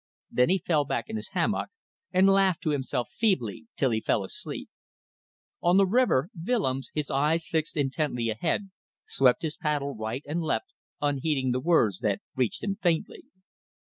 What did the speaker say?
Then he fell back in his hammock and laughed to himself feebly till he fell asleep. On the river, Willems, his eyes fixed intently ahead, swept his paddle right and left, unheeding the words that reached him faintly.